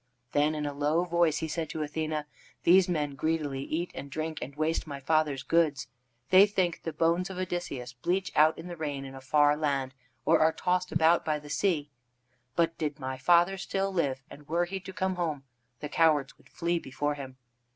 Then, in a low voice, he said to Athene: "These men greedily eat and drink, and waste my father's goods. They think the bones of Odysseus bleach out in the rain in a far land, or are tossed about by the sea. But did my father still live, and were he to come home, the cowards would flee before him.